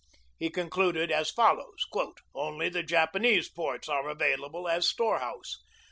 He concluded as follows: "Only the Japanese ports are available as storehouse.